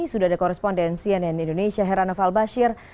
sudah ada korespondensi nn indonesia heranov al bashir